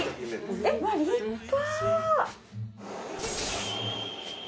えっ立派。